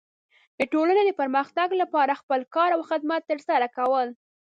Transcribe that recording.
د ټولنې د پرمختګ لپاره خپل کار او خدمت ترسره کول.